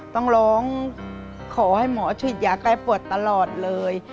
ต้องร้องขอให้หมอฉีดยาแก้ปวดตลอดเลย